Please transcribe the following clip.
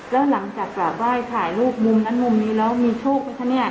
แล้วหลังจากว่าว่ายถ่ายลูกมุมนั้นมุมนี้แล้วมีโชคกับท่านเนี่ย